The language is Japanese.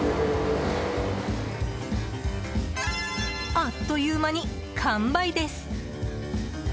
あっという間に完売です。